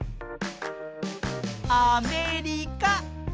アメリカ。